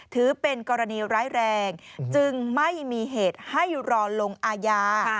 ถือเป็นกรณีร้ายแรงจึงไม่มีเหตุให้รอลงอาญา